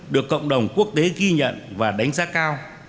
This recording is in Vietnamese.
được cộng đồng quốc tế ghi nhận và đánh giá cao